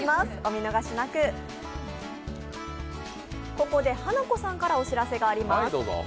ここでハナコさんからお知らせがあります。